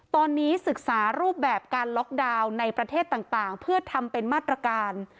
ตอนนี้ศึกษารูปแบบการล็อกดาวน์ในประเทศต่างเพื่อทำเป็นมาตรการ